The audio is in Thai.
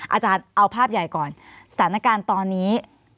อาจารย์เอาภาพใหญ่ก่อนสถานการณ์ตอนนี้